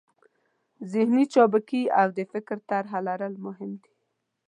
ذهني چابکي او د فکر طرحه لرل مهم دي.